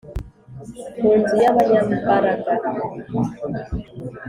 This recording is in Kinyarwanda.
ku Nzu y Abanyambaraga